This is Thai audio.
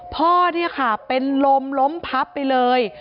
พ่อเนี่ยค่ะเป็นลมล้มพับไปเลย